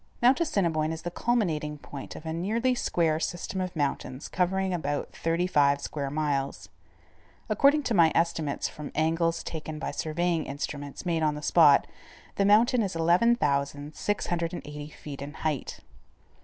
Mount Assiniboine is the culminating point of a nearly square system of mountains covering about thirty five square miles. According to my estimates from angles taken by surveying instruments made on the spot, the mountain is 11,680 feet in height.